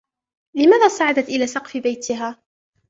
لماذا صعدت إلى سقف بيتها ؟